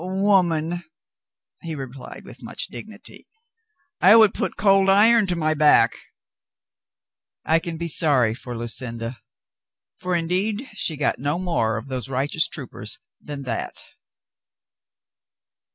"Woman," he replied with much dignity, "I would put cold iron to my back." I can be sorry for Lu cinda. For indeed she got no more of those righteous troopers than that.